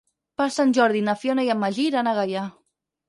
Per Sant Jordi na Fiona i en Magí iran a Gaià.